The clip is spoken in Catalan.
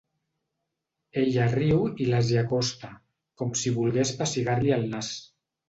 Ella riu i les hi acosta, com si volgués pessigar-li el nas.